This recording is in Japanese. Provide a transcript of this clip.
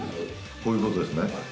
こういうことですね。